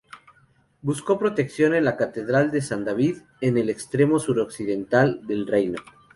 Buscó protección en la Catedral de San David, en el extremo suroccidental del reino.